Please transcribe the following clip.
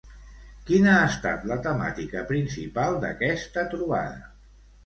Quina ha estat la temàtica principal d'aquesta trobada?